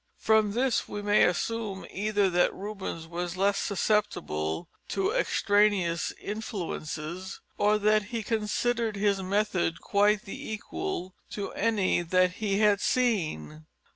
From this we may assume either that Rubens was less susceptible to extraneous influences, or that he considered his method quite the equal to any that he had seen.